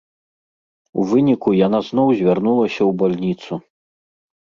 У выніку яна зноў звярнулася ў бальніцу.